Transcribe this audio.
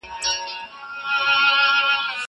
زه اجازه لرم چي کالي وچوم!!